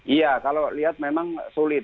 iya kalau lihat memang sulit